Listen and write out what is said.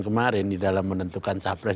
kemarin di dalam menentukan capres